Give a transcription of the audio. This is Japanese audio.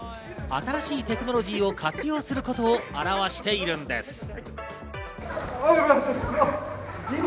新しいテクノロジーを活用することを表しているんです。